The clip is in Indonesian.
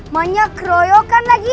maknya keroyokan lagi